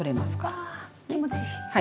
わあ気持ちいい。